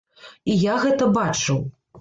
І я гэта бачыў.